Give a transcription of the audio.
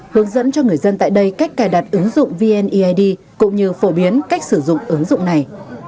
hướng dẫn cho người dân tại đây cách cài đặt ứng dụng vneid cũng như phổ biến cách sử dụng ứng dụng này